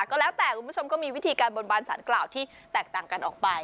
ก็แล้วแต่คุณผู้ชมก็มีวิธีการบนบานสารกล่าวที่แตกต่างกันออกไป